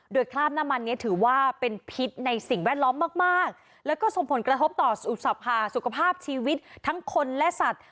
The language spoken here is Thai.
โดยคราบน้ำมันนี้ถือว่าเป็นพิษในสิ่งแวดล้อมมากมากแล้วก็ส่งผลกระทบต่อสภาสุขภาพชีวิตทั้งคนและสัตว์